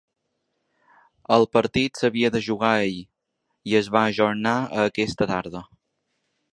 El partit s’havia de jugar ahir i es va ajornar a aquesta tarda.